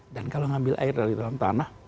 dan kalau ngambil air dari dalam tanah